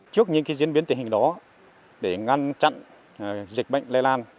trước những diễn biến tình hình đó để ngăn chặn dịch bệnh lây lan